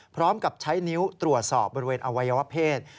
พร้อมกับใช้นิ้วตรวจสอบบริเวณอวัยวะเพศ